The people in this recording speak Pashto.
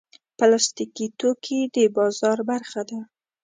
پلاستيکي توکي د بازار برخه ده.